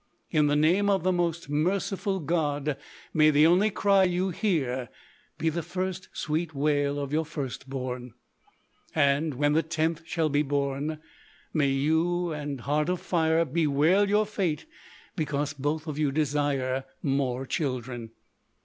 In the name of the Most Merciful God, may the only cry you hear be the first sweet wail of your first born. And when the tenth shall be born, may you and Heart of Fire bewail your fate because both of you desire more children!"